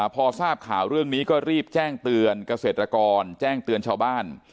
พอทราบข่าวเรื่องนี้ก็รีบแจ้งเตือนเกษตรกรแจ้งเตือนชาวบ้าน